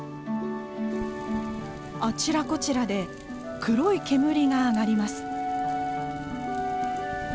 あちらこちらで黒い煙が上がります。